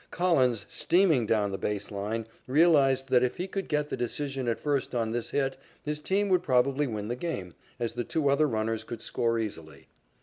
Collins, steaming down the base line, realized that, if he could get the decision at first on this hit, his team would probably win the game, as the two other runners could score easily.